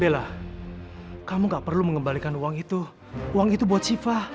bella kamu gak perlu mengembalikan uang itu uang itu buat sifah